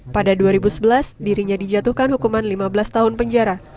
pada dua ribu sebelas dirinya dijatuhkan hukuman lima belas tahun penjara